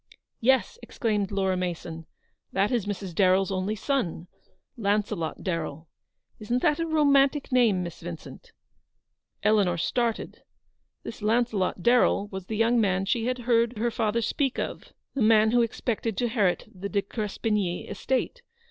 " Yes," exclaimed Laura Mason, "that is Mrs. Darren's only son, Launcelot Darrell. Isn't that a romantic name, Miss Vincent ?" Eleanor started. This Launcelot Darrell was the young man she had heard her father speak of; the man who expected to inherit the De Crespigny estate.